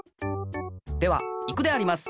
ではいくであります。